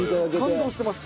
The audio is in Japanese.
感動してます。